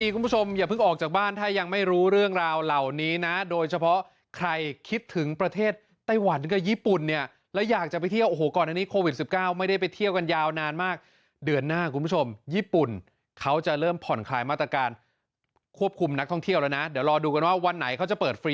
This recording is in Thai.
คุณผู้ชมอย่าเพิ่งออกจากบ้านถ้ายังไม่รู้เรื่องราวเหล่านี้นะโดยเฉพาะใครคิดถึงประเทศไต้หวันกับญี่ปุ่นเนี่ยแล้วอยากจะไปเที่ยวโอ้โหก่อนอันนี้โควิด๑๙ไม่ได้ไปเที่ยวกันยาวนานมากเดือนหน้าคุณผู้ชมญี่ปุ่นเขาจะเริ่มผ่อนคลายมาตรการควบคุมนักท่องเที่ยวแล้วนะเดี๋ยวรอดูกันว่าวันไหนเขาจะเปิดฟรี